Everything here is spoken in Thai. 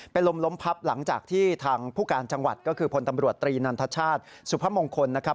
เป็นลมล้มพับหลังจากที่ทางผู้การจังหวัดก็คือพลตำรวจตรีนันทชาติสุพมงคลนะครับ